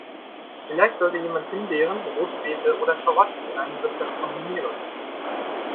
Vielleicht sollte jemand Himbeeren, Rote Beete oder Karotten in einem Rezept kombinieren.